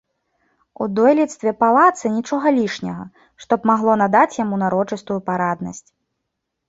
У дойлідстве палаца нічога лішняга, што б магло надаць яму знарочыстую параднасць.